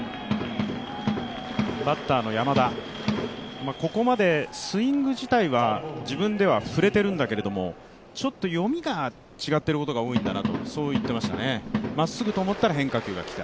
バッターの山田、ここまでスイング自体は自分では振れているんだあけどちょっと読みが違っていることが多いんだと、そう言っていましたね、まっすぐと思ったら変化球が来た。